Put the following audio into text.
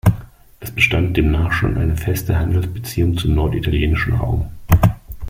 Es bestand demnach schon eine feste Handelsbeziehung zum norditalienischen Raum.